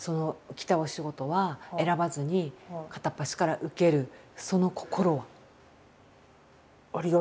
来たお仕事は選ばずに片っ端から受けるその心は？